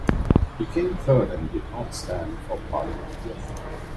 He came third and did not stand for parliament again.